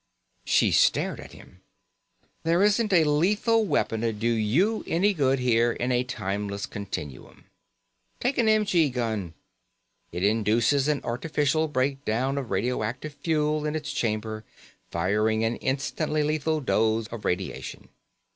She stared at him. "There isn't a lethal weapon'd do you any good here in a timeless continuum. Take an m.g. gun. It induces an artificial breakdown of radioactive fuel in its chamber, firing an instantly lethal dose of radiation.